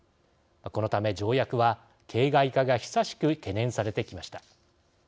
このため、条約は形骸化が久しく懸念されてきました。